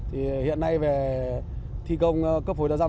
hiện nay về thi công cấp phối đa dâm